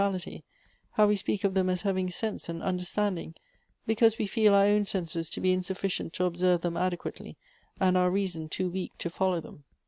ility — how we speak of them as having sense and understanding; because we feel our own senses to be in sufficient to observe them adequately, and our reason too weak to follow them."